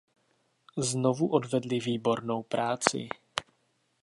Znovu odvedli výbornou práci.